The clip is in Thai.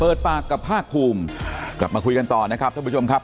เปิดปากกับภาคภูมิกลับมาคุยกันต่อนะครับท่านผู้ชมครับ